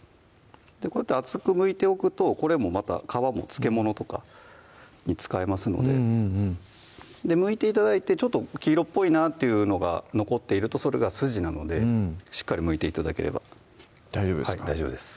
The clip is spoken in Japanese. こうやって厚くむいておくとこれもまた皮も漬物とかに使えますのでむいて頂いて黄色っぽいなっていうのが残っているとそれが筋なのでしっかりむいて頂ければ大丈夫ですか？